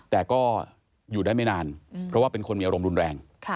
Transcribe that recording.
แต่ก็อยู่ได้ไม่นานเพราะว่าเป็นคนมีอารมณ์รุนแรง